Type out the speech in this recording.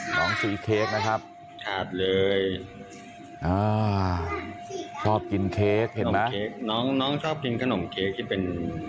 น้องสีเค้กนะครับชาดเลยชอบกินเค้กเห็นไหมน้องชอบกินขนมเค้กที่เป็น